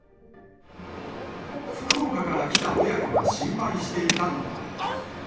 福岡から来た親子が心配していたのは。